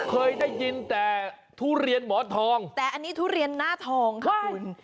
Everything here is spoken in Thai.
เคยได้ยินแต่ทุเรียนหมอนทองแต่อันนี้ทุเรียนหน้าทองค่ะคุณ